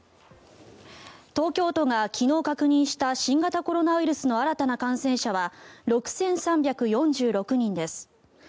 東京都が昨日確認した新型コロナウイルスの新たな感染者は６３４６人です。